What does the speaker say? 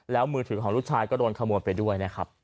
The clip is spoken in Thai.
แล้วมือถือของลูกชายก็โดนขนวนไปด้วย